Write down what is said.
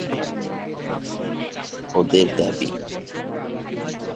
ওদের দাবি -